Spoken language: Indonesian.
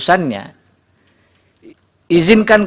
dari dari dari dari